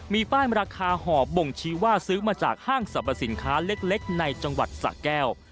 มีป้ายราคาหอบบ่งชี้ว่าซื้อมาจากห้างสรรพสินค้าเล็กในจังหวัดสะแก้ว